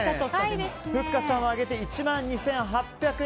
ふっかさんは上げて１万２８００円。